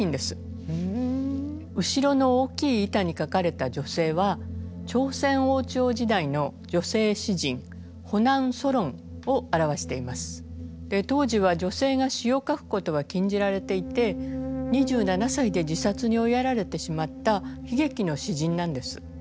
後ろの大きい板に描かれた女性は当時は女性が詩を書くことは禁じられていて２７歳で自殺に追いやられてしまった悲劇の詩人なんです。